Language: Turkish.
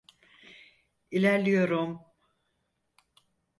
İlerliyorum.